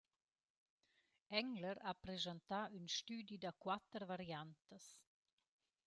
Engler ha preschantà ün stüdi da quatter variantas.